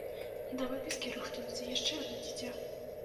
Да выпіскі рыхтуецца яшчэ адно дзіця.